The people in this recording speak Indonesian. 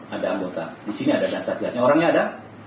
ada ambota disini ada dan cat catnya orangnya ada